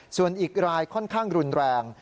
ส่วนอีกรายค่อนข้างรุนแรง